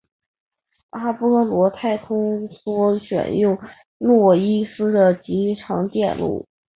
阿波罗太空梭选用诺伊斯的集成电路。